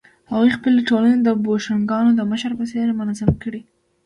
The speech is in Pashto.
هغوی خپلې ټولنې د بوشونګانو د مشر په څېر منظمې کړې.